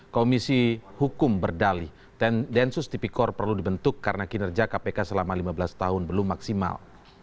komisi hukum berdali densus tipikor perlu dibentuk karena kinerja kpk selama lima belas tahun belum maksimal